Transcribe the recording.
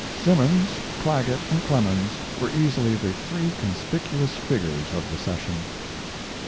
Simmons, Clagget, and Clemens were easily the three conspicuous figures of the session.